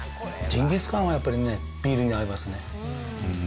ジンギスカンはやっぱりね、ビールに合いますね。